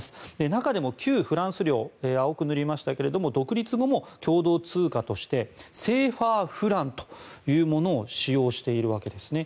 中でも旧フランス領青く塗りましたが独立後も共同通貨としてＣＦＡフランというものを使用しているわけですね。